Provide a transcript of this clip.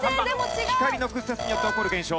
光の屈折によって起こる現象。